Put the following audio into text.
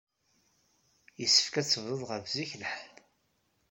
Yessefk ad tebduḍ ɣef zik lḥal.